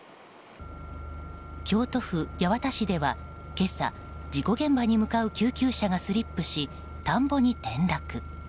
京都府八幡市では今朝事故現場に向かう救急車がスリップし田んぼに転落。